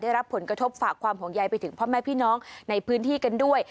ได้รับผลกระทบฝากความห่วงใยไปถึงพ่อแม่พี่น้องในพื้นที่กันด้วย